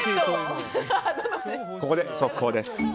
ここで速報です。